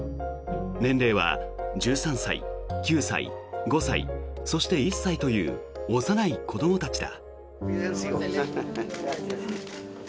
年齢は１３歳、９歳、５歳そして１歳という幼い子どもたちだ。